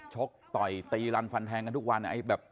ชกต่อยตีรันฟันแทงกันทุกวัน